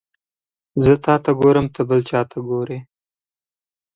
زه تاته ګورم ته بل چاته ګوري